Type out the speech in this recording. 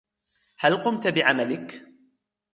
هل قمت بعملك ؟